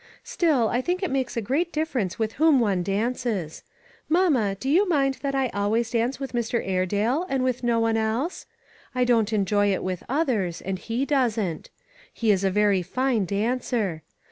Still, I think it makes a great difference with whom one dances. Mamma, do you mind that I always dance with Mr. Airedale, and with no one else? I don't enjoy it with others, and he doesn't. He is a very fine dancer.